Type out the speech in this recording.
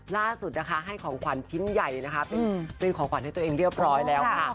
ล่าสุดนะคะให้ของขวัญชิ้นใหญ่นะคะเป็นของขวัญให้ตัวเองเรียบร้อยแล้วค่ะ